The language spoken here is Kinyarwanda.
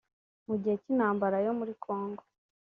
Mu gihe cy’intambara yo muri Kongo